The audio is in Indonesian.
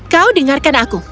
kau dengarkan aku